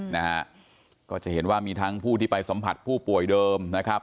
นะฮะก็จะเห็นว่ามีทั้งผู้ที่ไปสัมผัสผู้ป่วยเดิมนะครับ